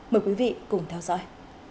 mời quý vị cùng theo dõi